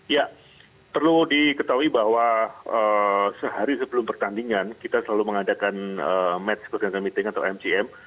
ya perlu diketahui bahwa sehari sebelum pertandingan kita selalu mengadakan match bergantian meeting atau mcm